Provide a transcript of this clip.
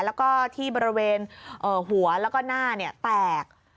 แล้วก็ที่บริเวณหัวแล้วก็หน้าแตก